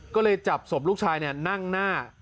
ก็เลยจับศพลูกชายนั่งหน้า